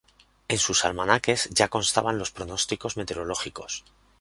En sus almanaques ya constaban los pronósticos meteorológicos.